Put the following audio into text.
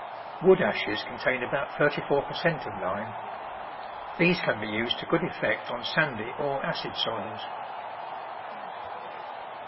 Wood ashes contain about thirty four per cent of lime. These can be used to good effect on sandy or acid soils.